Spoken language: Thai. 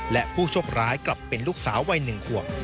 และผู้โชคร้ายกลับเป็นลูกสาววัย๑ขวบ